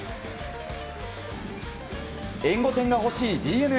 援護点が欲しいＤｅＮＡ。